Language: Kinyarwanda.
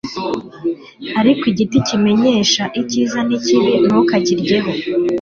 ariko igiti kimenyesha icyiza n ikibi ntuzakiryeho